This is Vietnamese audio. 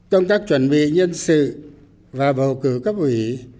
công tác chuẩn bị nhân sự và bầu cử cấp ủy